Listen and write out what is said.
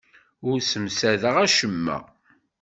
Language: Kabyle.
Ur ssemsadeɣ acemma.